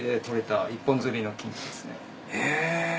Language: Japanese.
え？